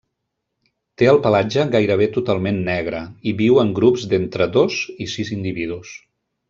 Té el pelatge gairebé totalment negre i viu en grups d'entre dos i sis individus.